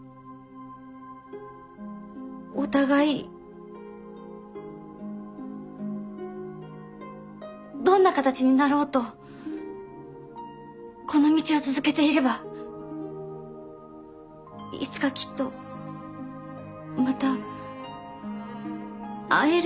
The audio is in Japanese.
お互いどんな形になろうとこの道を続けていればいつかきっとまた会えるような気がします。